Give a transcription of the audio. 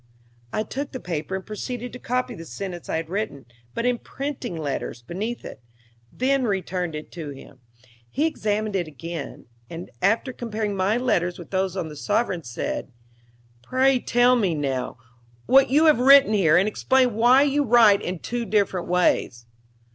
I took the paper and proceeded to copy the sentence I had written, but in printing letters, beneath it, then returned it to him. He examined it again, and, after comparing my letters with those on the sovereigns, said: "Pray tell me, now, what you have written here, and explain why you write in two different ways?"